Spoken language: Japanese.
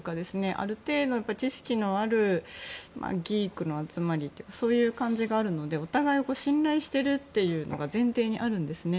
ある程度、知識のあるギークの集まりというかそういう感じがあるのでお互いに信頼しているというのが前提にあるんですね。